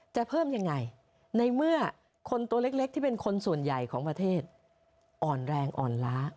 จะเพิ่มยังไงในเมื่อคนตัวเล็กที่เป็นคนส่วนใหญ่ของประเทศอ่อนแรงอ่อนล้า